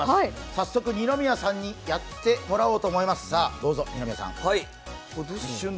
早速二宮さんにやっていただこうと思います。